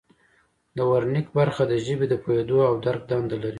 د ورنیک برخه د ژبې د پوهیدو او درک دنده لري